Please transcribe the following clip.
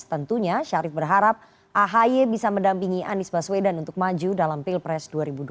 tentunya syarif berharap ahy bisa mendampingi anies baswedan untuk maju dalam pilpres dua ribu dua puluh